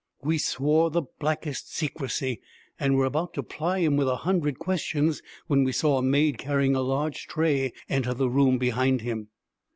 We swore the blackest secrecy, and were about to ply him with a hundred questions, when we saw a maid carrying a large tray enter the room behind him.